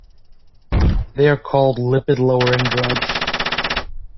They are called lipid-lowering drugs.